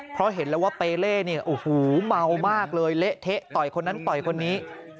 เพราะเห็นแล้วว่าเปเล่เนี่ยโอ้โหเมามากเลยเละเทะต่อยคนนั้นต่อยคนนี้